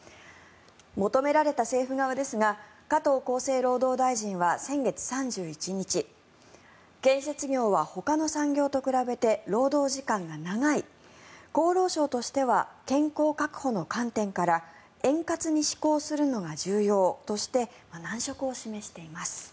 求められた政府側ですが加藤厚生労働大臣は先月３１日建設業はほかの産業と比べて労働時間が長い厚労省としては健康確保の観点から円滑に施行するのが重要として難色を示しています。